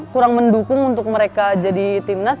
kurang mendukung untuk mereka jadi timnas